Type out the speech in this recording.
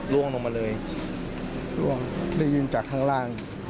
ล่วงลงมาเลยล่วงได้ยินจากข้างล่าง